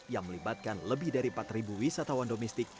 yang melibatkan lebih dari empat wisatawan domestik